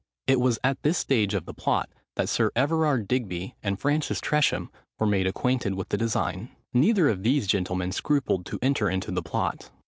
It was at this stage of the plot, that Sir Everard Digby and Francis Tresham were made acquainted with the design. Neither of these gentlemen scrupled to enter into the plot.